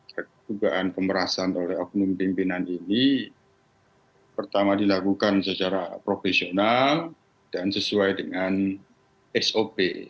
kedugaan pemerasan oleh oknum pimpinan ini pertama dilakukan secara profesional dan sesuai dengan sop